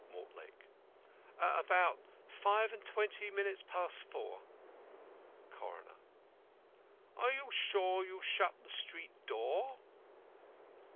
MORTLAKE: At about five and twenty minutes past four. CORONER: Are you sure that you shut the street door?